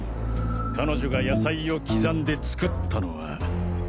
彼女が野菜を刻んで作ったのは。